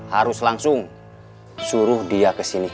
harus langsung suruh dia kesini